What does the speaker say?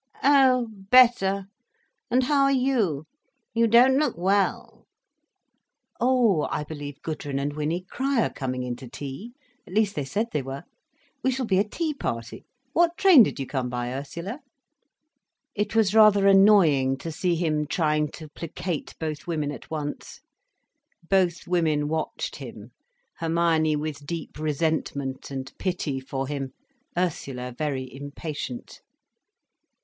"Oh, better. And how are you—you don't look well—" "Oh!—I believe Gudrun and Winnie Crich are coming in to tea. At least they said they were. We shall be a tea party. What train did you come by, Ursula?" It was rather annoying to see him trying to placate both women at once. Both women watched him, Hermione with deep resentment and pity for him, Ursula very impatient.